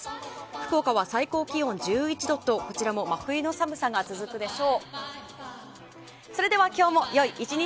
福岡は１１度とこちらも真冬の寒さが続くでしょう。